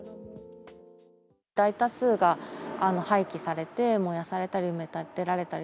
大多数が廃棄されて、燃やされたり、埋め立てられたり。